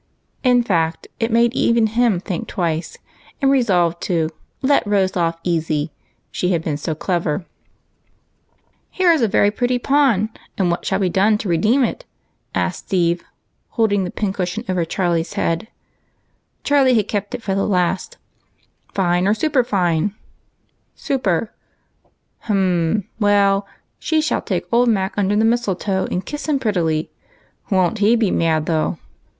In fact, it made even him think twice, and resolve to " let Rose off easy," she had been so clever. "Here's a very pretty pawn, and what shall be done to redeem it?" asked Steve, holding the pin 238 EIGHT COUSINS. cushion over Charlie's head, for he had insisted on being judge, and kept that for the last. " Fine or superfine ?"" Super." " Hum, well, she shall take old Mac under the mistletoe and kiss him prettily. Won't he be mad, though